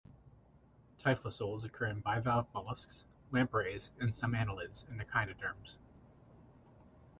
Typhlosoles occur in bivalve mollusks, lampreys and some annelids and echinoderms.